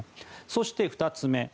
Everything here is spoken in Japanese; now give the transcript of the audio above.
そして、２つ目。